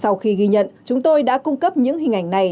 sau khi ghi nhận chúng tôi đã cung cấp những hình ảnh này